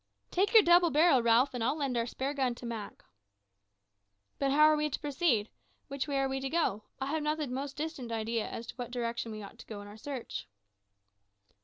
"Take your double barrel, Ralph, and I'll lend our spare big gun to Mak." "But how are we to proceed? which way are we to go? I have not the most distant idea as to what direction we ought to go in our search."